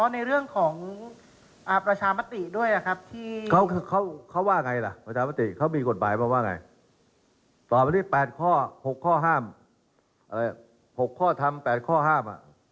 ในเรื่องของการแสดงความเห็นโดยเฉพาะในเรื่องของประชามตรีด้วยครับ